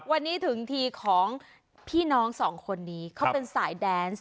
วันนี้ถึงทีของพี่น้องสองคนนี้เขาเป็นสายแดนส์